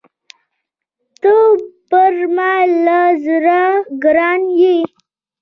ته پر ما له زړه ګران يې!